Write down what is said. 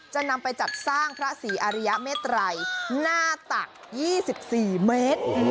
จะนำไปจัดสร้างพระศรีอริยเมตรัยหน้าตัก๒๔เมตร